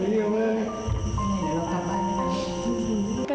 เดี๋ยวเรากลับบ้านด้วยกัน